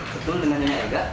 betul dengan ini elga